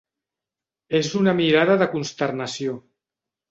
És una mirada de consternació.